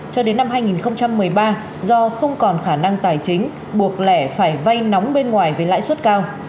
cho đến năm hai nghìn một mươi ba do không còn khả năng tài chính buộc lẻ phải vay nóng bên ngoài với lãi suất cao